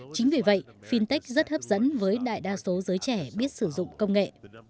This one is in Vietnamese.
chính vì vậy fintech rất hấp dẫn với đại đa số giới trẻ biết sử dụng công nghệ